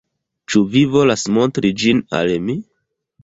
Ĉu vi volas montri ĝin al mi?